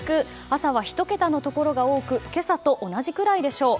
朝は１桁のところが多く今朝と同じくらいでしょう。